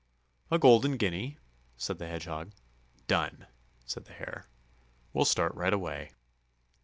"A golden guinea," said the Hedgehog. "Done!" said the Hare. "We'll start right away!"